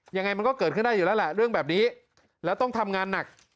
ยังไงมันก็เกิดขึ้นได้อยู่แล้วแหละเรื่องแบบนี้แล้วต้องทำงานหนัก